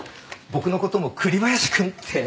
僕のことも栗林君って。